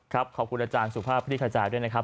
ครับขอบคุณอาจารย์สุภาพพระธิกัจัยด้วยนะครับ